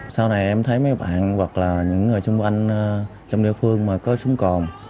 sau này em thấy mấy bạn hoặc là những người xung quanh trong địa phương mà có súng còm